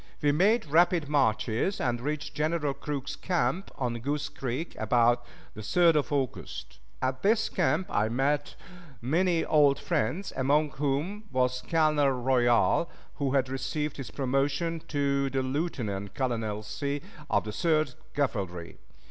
We made rapid marches, and reached General Crook's camp on Goose Creek about the 3d of August. At this camp I met many old friends, among whom was Colonel Royal, who had received his promotion to the lieutenant colonelcy of the Third Cavalry.